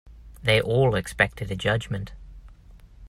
They all expected a judgment.